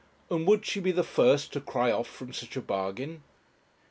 and would she be the first to cry off from such a bargain?